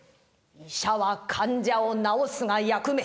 「医者は患者を治すが役目。